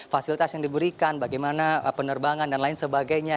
fasilitas yang diberikan bagaimana penerbangan dan lain sebagainya